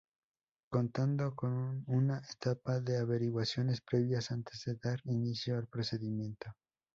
Contando con una etapa de averiguaciones previas antes de dar inicio al procedimiento.